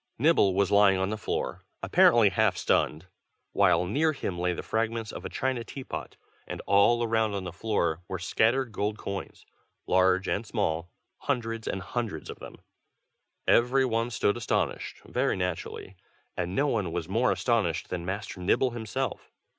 Nibble was lying on the floor, apparently half stunned, while near him lay the fragments of a china teapot; and all around on the floor, were scattered gold coins, large and small, hundreds and hundreds of them. Every one stood astonished, very naturally, and no one was more astonished than Master Nibble himself.